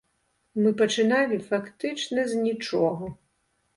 Мы пачыналі фактычна з нічога.